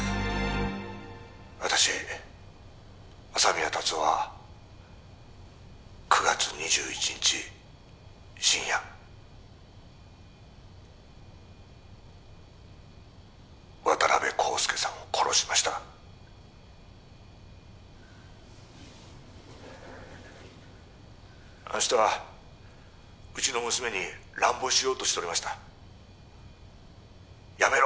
私朝宮達雄は９月２１日深夜渡辺康介さんを殺しましたあん人はうちの娘に乱暴しようとしとりました「やめろ！」